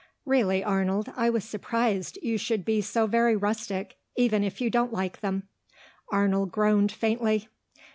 Really, Arnold, I was surprised you should be so very rustic, even if you don't like them." Arnold groaned faintly.